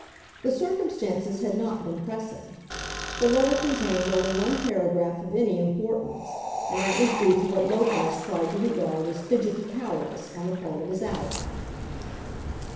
The circumstances had not been pressing. The letter contained only one paragraph of any importance, and that was due to what Lopez tried to regard as fidgety cowardice on the part of his ally.